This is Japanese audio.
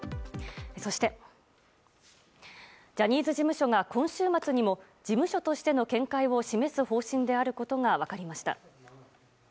そして、ジャニーズ事務所が今週末にも事務所としての見解を示す方針であることが分かりました。